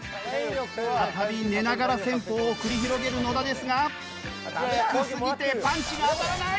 再び寝ながら戦法を繰り広げる野田ですが低すぎてパンチが当たらない！